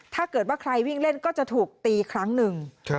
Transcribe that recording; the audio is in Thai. ถ้าเกิดว่าใครวิ่งเล่นก็จะถูกตีครั้งหนึ่ง